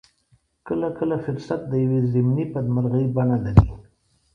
کله کله فرصت د يوې ضمني بدمرغۍ بڼه لري.